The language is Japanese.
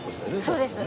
そうです。